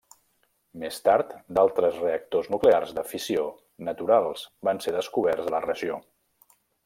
Més tard, d'altres reactors nuclears de fissió naturals van ser descoberts a la regió.